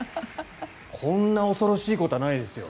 こんな恐ろしいことはないです。